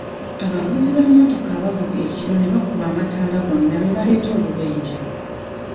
Abavuzi b'emmotoka abavuga ekiro ne bakuba amatala gonna beebaleeta obubenje.